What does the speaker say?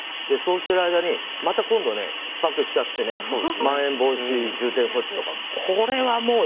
そうしてる間にまた今度ひっ迫しちゃってまん延防止等重点措置とか。